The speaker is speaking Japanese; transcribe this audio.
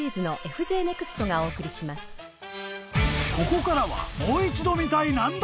［ここからは］